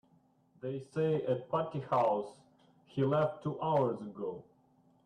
They say at Patti's house he left two hours ago.